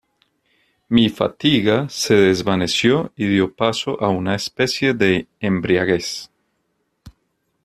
Mi fatiga se desvaneció y dio paso a una especie de embriaguez.